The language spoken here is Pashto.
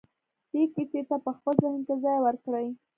دې کيسې ته په خپل ذهن کې ځای ورکړئ.